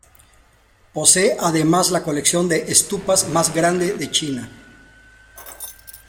Posee además la colección de estupas más grande de China.